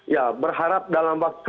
ya berharap dalam waktu